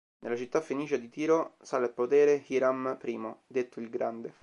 Nella città fenicia di Tiro sale al potere Hiram I, detto il Grande.